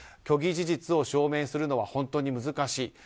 虚偽事実を証明するのは本当に難しい。